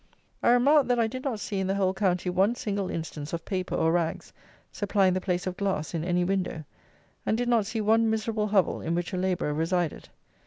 I remarked that I did not see in the whole county one single instance of paper or rags supplying the place of glass in any window, and did not see one miserable hovel in which a labourer resided.